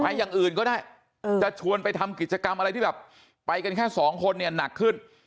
อย่างอื่นก็ได้จะชวนไปทำกิจกรรมอะไรที่แบบไปกันแค่สองคนเนี่ยหนักขึ้น